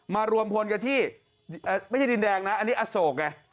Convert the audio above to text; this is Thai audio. มารวมพลกันที่ไม่ใช่ดินแดงนะอันนี้อโศกไง